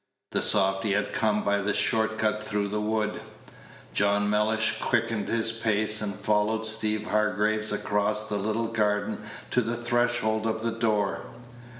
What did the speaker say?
The softy had come by the short cut through the wood. John Mellish quickened his pace, and followed Steeve Hargraves across the little garden to the threshold of the door.